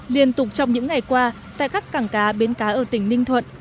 liên tục trong những ngày qua tại các cảng cá bến cá ở tỉnh ninh thuận